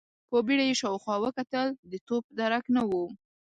په بيړه يې شاوخوا وکتل، د توپ درک نه و.